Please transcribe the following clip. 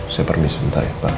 saya pergi sebentar ya pak